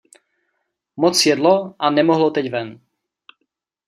Moc jedlo, a nemohlo teď ven.